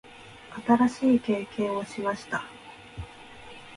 新しい経験をしました。